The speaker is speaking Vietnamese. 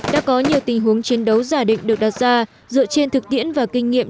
đã có nhiều tình huống chiến đấu giả định được đặt ra dựa trên thực tiễn và kinh nghiệm